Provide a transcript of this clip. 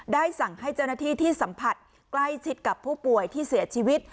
ได้สั่งให้เจ้าหน้าที่ที่สัมผัสใกล้ชิดกับผู้ป่วยที่เสียชีวิต